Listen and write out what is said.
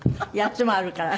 ８つもあるから。